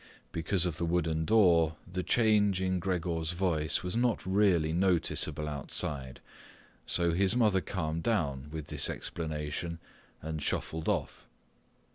Because of the wooden door the change in Gregor's voice was not really noticeable outside, so his mother calmed down with this explanation and shuffled off.